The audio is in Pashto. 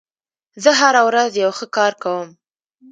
زه هره ورځ یو ښه کار کوم.